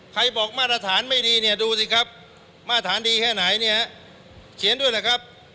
ใครบอกมาตรฐานไม่ดีเนี่ยดูสิครับมาตรฐานดีแค่ไหนเนี่ยเขียนด้วยนะครับ